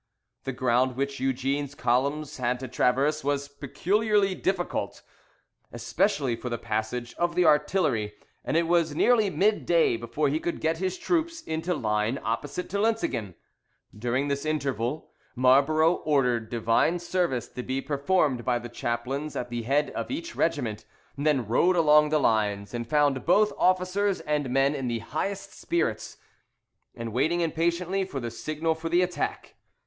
The ground which Eugene's columns had to traverse was peculiarly difficult, especially for the passage of the artillery; and it was nearly mid day before he could get his troops into line opposite to Lutzingen. During this interval, Marlborough ordered divine service to be performed by the chaplains at the head of each regiment; and then rode along the lines, and found both officers and men in the highest spirits, and waiting impatiently for the signal for the the attack.